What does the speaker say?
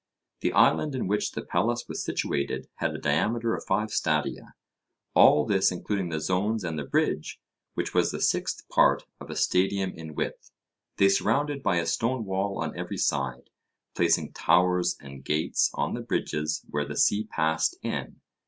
The island in which the palace was situated had a diameter of five stadia. All this including the zones and the bridge, which was the sixth part of a stadium in width, they surrounded by a stone wall on every side, placing towers and gates on the bridges where the sea passed in.